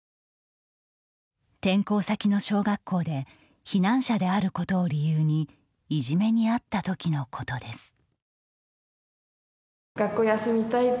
転校先の小学校で避難者であることを理由にいじめに遭ったときのことです。